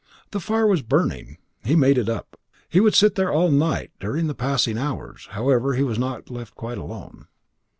The fire was burning. He made it up. He would sit there all night During the passing hours, however, he was not left quite alone.